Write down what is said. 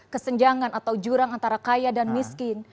kesenjangan atau jurang antara kaya dan miskin